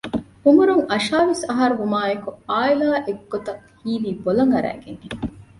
އުމުރުން އަށާވީސް އަހަރު ވުމާއެކު އާއިލާ އޮތްގޮތަށް ހީވީ ބޮލަށް އަރައިގެންހެން